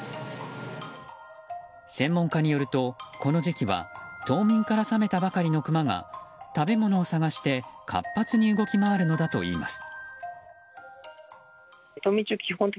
専門家によると、この時期は冬眠から覚めたばかりのクマが食べ物を探して活発に動き回るのだといいます。